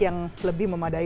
yang lebih memadai